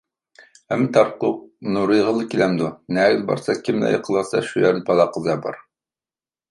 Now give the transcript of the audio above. ھەممە تارتقۇلۇق نۇرىغىلا كېلەمدۇ، نەگىلا بارسا، كىم بىلەن يېقىنلاشسا شۇ يەردە بالا-قازا بار،